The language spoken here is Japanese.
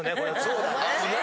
そうだね。